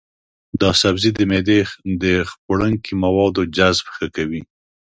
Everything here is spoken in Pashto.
دا سبزی د معدې د خوړنکي موادو جذب ښه کوي.